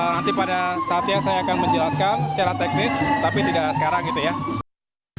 nanti pada saatnya saya akan menjelaskan secara teknis tapi tidak sekarang gitu ya